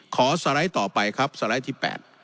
สไลด์ต่อไปครับสไลด์ที่๘